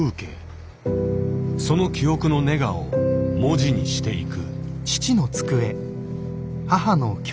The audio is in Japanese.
その記憶のネガを文字にしていく。